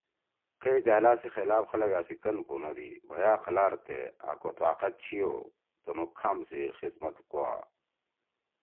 کئی دألا سی خلاف خلگا سی کن پونَدیبھیا قلارتے آں کو طاقت چھیو تُنُو کھام سی خزمت کوا!